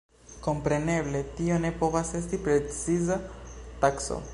Kompreneble tio ne povas esti preciza takso.